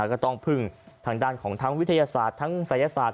ก็ต้องพึ่งทางด้านของทั้งวิทยาศาสตร์ทั้งศัยศาสต